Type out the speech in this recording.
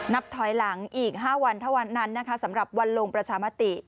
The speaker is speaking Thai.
นับถอยหลังอีก๕วันเท่านั้นนะคะสำหรับวันลงประชามติ